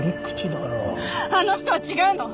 あの人は違うの！